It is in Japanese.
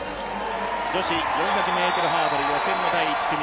女子４００ｍハードル予選の第１組。